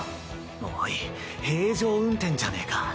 おい平常運転じゃねぇか。